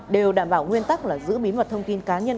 đều đảm bảo nguyên tắc là giữ bí mật thông tin cá nhân